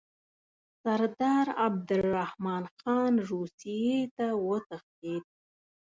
سردار عبدالرحمن خان روسیې ته وتښتېد.